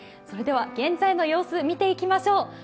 それでは現在の様子見ていきましょう。